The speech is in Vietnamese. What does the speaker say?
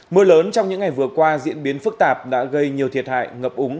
mưa lớn trong những ngày vừa qua diễn biến phức tạp đã gây nhiều thiệt hại ngập úng